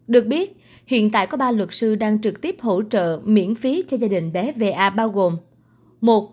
được biết hiện tại có ba luật sư đang trực tiếp hỗ trợ miễn phí cho gia đình bé về a bao gồm